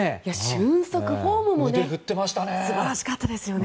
俊足、フォームも素晴らしかったですね。